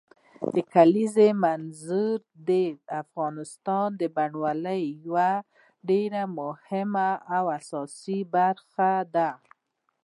د کلیزو منظره د افغانستان د بڼوالۍ یوه ډېره مهمه او اساسي برخه ده.